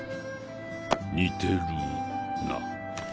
似てるな。